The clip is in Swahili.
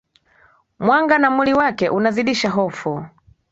mwanga na muli wake unazidisha hofu